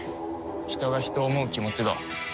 人が人を思う気持ちだ。